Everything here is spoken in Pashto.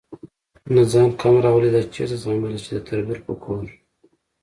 نه ځان کم راولي، دا چېرته زغملی شي چې د تربور په کور.